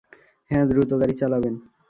হ্যাঁ, দ্রুত গাড়ি চালাবেন।